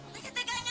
biru itu menang dua